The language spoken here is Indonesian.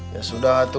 ya sudah tuh